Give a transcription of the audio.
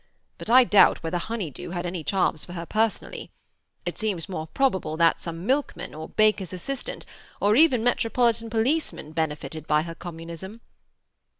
But I doubt whether honeydew had any charms for her personally. It seems more probable that some milkman, or baker's assistant, or even metropolitan policeman, benefited by her communism."